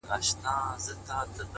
ته خو دا ټول کاينات خپله حافظه کي ساتې!